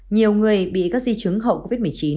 nhiều người bị các di chứng hậu covid một mươi chín